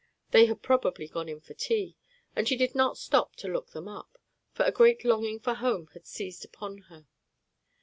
They had probably gone in for tea, and she did not stop to look them up, for a great longing for home had seized upon her.